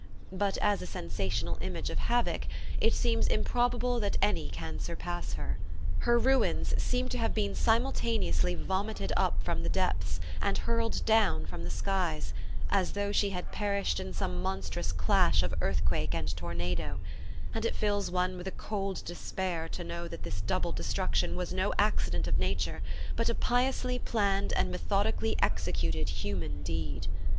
But as a sensational image of havoc it seems improbable that any can surpass her. Her ruins seem to have been simultaneously vomited up from the depths and hurled down from the skies, as though she had perished in some monstrous clash of earthquake and tornado; and it fills one with a cold despair to know that this double destruction was no accident of nature but a piously planned and methodically executed human deed.